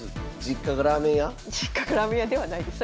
実家がラーメン屋ではないです。